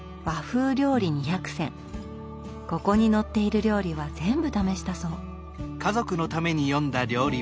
ここに載っている料理は全部試したそう。